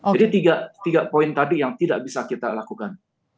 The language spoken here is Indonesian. jadi tiga poin tadi yang tidak bisa kita lakukan